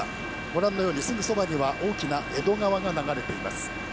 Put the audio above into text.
ご覧のようにすぐそばには大きな江戸川が流れています。